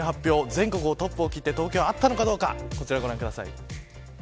全国トップとして東京、あったのかどうかこちらをご覧ください。